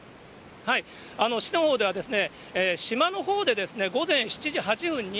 市のほうでは、島のほうで午前７時８分に、